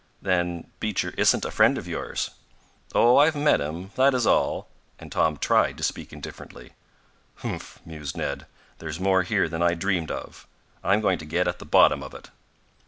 "Then Beecher isn't a friend of yours?" "Oh, I've met him, that is all," and Tom tried to speak indifferently. "Humph!" mused Ned, "there's more here than I dreamed of. I'm going to get at the bottom of it."